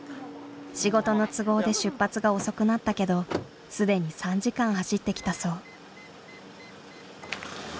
仕事の都合で出発が遅くなったけど既に３時間走ってきたそう。